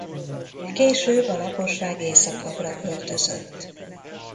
Később a lakosság északabbra költözött.